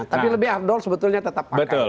tapi lebih afdol sebetulnya tetap pakai